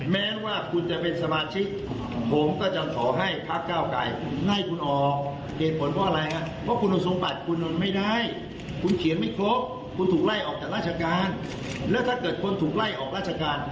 ไม่ได้คุณเขียนไม่ครบคุณถูกไล่ออกจากราชการแล้วถ้าเกิดคุณถูกไล่ออกราชการ